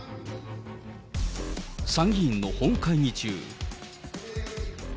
参議院の本会議中。